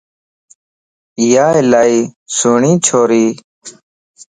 ايا الائي سھڻي ڇوريَ